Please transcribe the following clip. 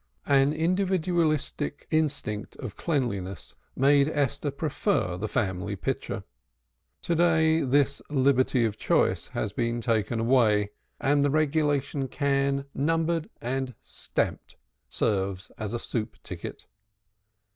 An individualistic instinct of cleanliness made Esther prefer the family pitcher. To day this liberty of choice has been taken away, and the regulation can, numbered and stamped, serves as a soup ticket.